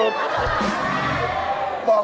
ข้าวอร่อย